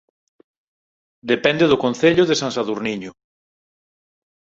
Depende do Concello de San Sadurniño